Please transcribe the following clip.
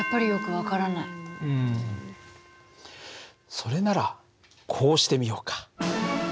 それならこうしてみようか。